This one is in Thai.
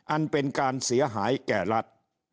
อันเป็นการเสียหายแก่รัฐ